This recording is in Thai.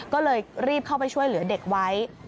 ก็เลยรีบเข้าไปช่วยเหลือเด็กไว้